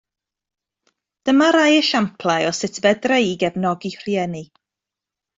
Dyma rai esiamplau o sut fedra i gefnogi rhieni